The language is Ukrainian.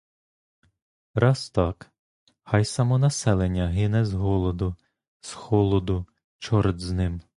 Раз так — хай само населення гине з голоду, з холоду, чорт з ним!